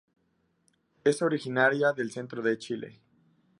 Es originaria del centro de Chile.